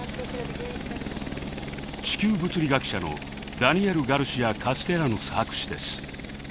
地球物理学者のダニエル・ガルシア・カステリャノス博士です。